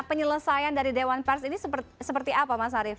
penyelesaian dari dewan pers ini seperti apa mas arief